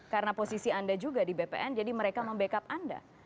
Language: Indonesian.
karena posisi anda juga di bpn jadi mereka membackup anda